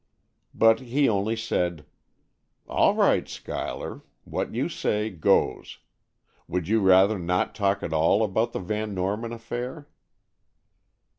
But he only said, "All right, Schuyler; what you say, goes. Would you rather not talk at all about the Van Norman affair?"